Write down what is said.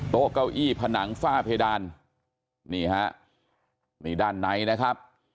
เก้าอี้ผนังฝ้าเพดานนี่ฮะนี่ด้านในนะครับ